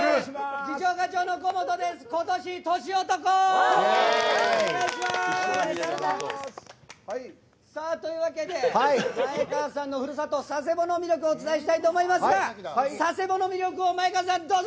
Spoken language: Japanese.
次長課長の河本です今年、年男！というわけで前川さんのふるさと佐世保の魅力を伝えたいと思いますが佐世保の魅力を前川さん、どうぞ！